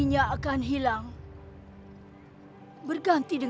dia tahu kesihatan orang lain